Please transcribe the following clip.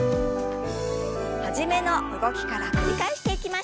初めの動きから繰り返していきましょう。